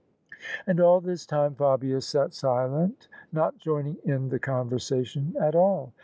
And all this time Fabia sat silent, not joining in the con versation at all.